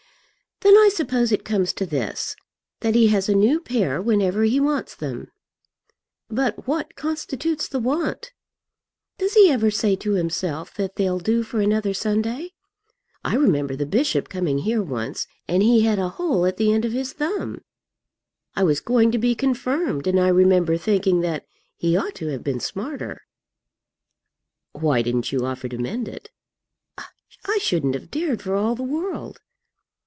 "Then I suppose it comes to this, that he has a new pair whenever he wants them. But what constitutes the want? Does he ever say to himself that they'll do for another Sunday? I remember the bishop coming here once, and he had a hole at the end of his thumb. I was going to be confirmed, and I remember thinking that he ought to have been smarter." "Why didn't you offer to mend it?" "I shouldn't have dared for all the world."